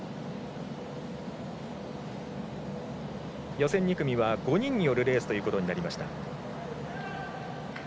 予選２組は５人によるレースとなりました。